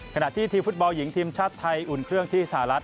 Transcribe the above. ขณะที่ทีมฟุตบอลหญิงทีมชาติไทยอุ่นเครื่องที่สหรัฐ